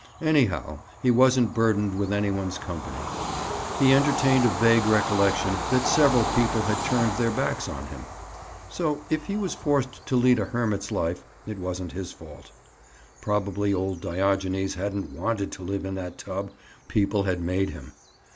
Anyhow he wasn't burdened with any one's company. He entertained a vague recollection that several people had turned their backs on him. So if he was forced to lead a hermit's life it wasn't his fault. Probably old Diogenes hadn't wanted to live in that tub; people had made him.